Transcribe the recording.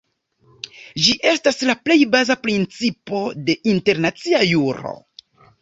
Ĝi estas la plej baza principo de internacia juro.